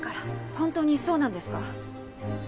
本当にそうなんですか？